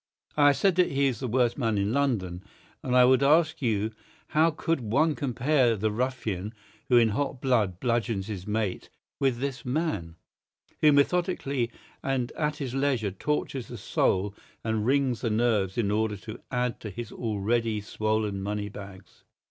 I have said that he is the worst man in London, and I would ask you how could one compare the ruffian who in hot blood bludgeons his mate with this man, who methodically and at his leisure tortures the soul and wrings the nerves in order to add to his already swollen money bags?"